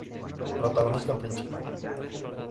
Protagonista principal.